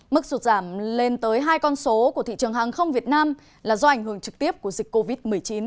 mức sụt giảm lên tới hai con số của thị trường hàng không việt nam là do ảnh hưởng trực tiếp của dịch covid một mươi chín